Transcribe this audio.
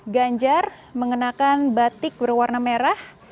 ganjar mengenakan batik berwarna merah